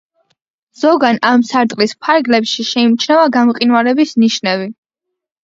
ზოგან ამ სარტყლის ფარგლებში შეიმჩნევა გამყინვარების ნიშნები.